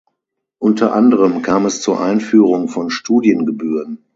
Unter anderem kam es zur Einführung von Studiengebühren.